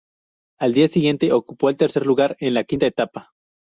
Al día siguiente, ocupó el tercer lugar en la quinta etapa.